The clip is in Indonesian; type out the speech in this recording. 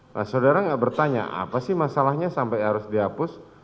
nah saudara nggak bertanya apa sih masalahnya sampai harus dihapus